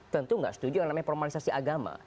tentu nggak setuju yang namanya formalisasi agama